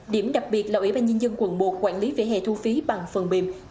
điểm đặc biệt là ủy ban nhân dân quận một quản lý vỉa hè thu phí bằng phần mềm